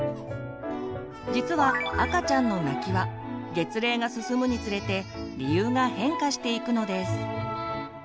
実は赤ちゃんの泣きは月齢が進むにつれて理由が変化していくのです。